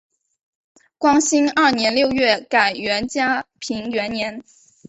光兴二年六月改元嘉平元年。